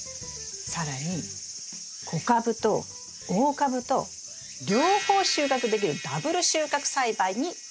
更に小株と大株と両方収穫できるダブル収穫栽培に挑戦しようと思うんです。